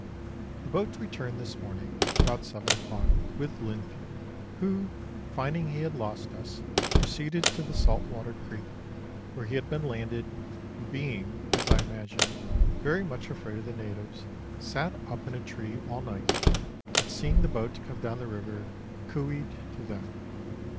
The boat returned this morning, about seven o'clock, with Linfield, who, finding he had lost us, proceeded to the Saltwater Creek, where he had been landed, and being, as I imagined, very much afraid of the natives, sat up in a tree all night, and seeing the boat come down the river cooeyed to them.